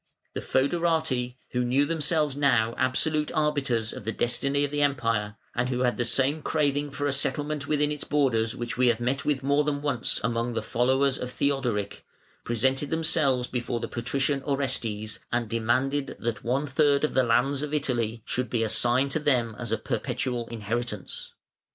The fœderati, who knew themselves now absolute arbiters of the destiny of the Empire, and who had the same craving for a settlement within its borders which we have met with more than once among the followers of Theodoric, presented themselves before the Patrician Orestes, and demanded that one third of the lands of Italy should be assigned to them as a perpetual inheritance.